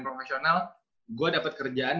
profesional gue dapet kerjaan